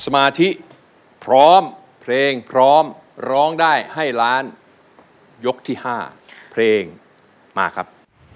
สมาธิพร้อมเพลงพร้อมร้องได้ให้ล้านยกที่๕เพลงมาครับ